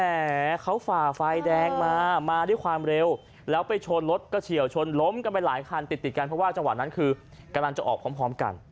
แหมเขาฝ่าไฟแดงมามาด้วยความเร็วแล้วไปชนรถก็เฉียวชนล้มกันไปหลายคันติดติดกันเพราะว่าจังหวะนั้นคือกำลังจะออกพร้อมกัน